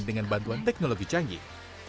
dengan bantuan teknologi canggih